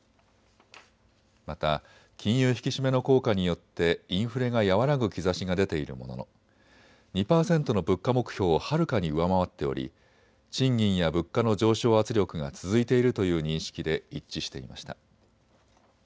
また金融引き締めの効果によってインフレが和らぐ兆しが出ているものの、２％の物価目標をはるかに上回っており賃金や物価の上昇圧力が続いているという認識で一致していました。